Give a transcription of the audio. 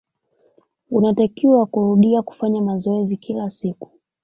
Unatakiwa kurudia kufanya mazoezi kila siku.